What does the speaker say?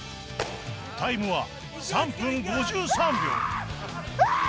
タイムは３分５３秒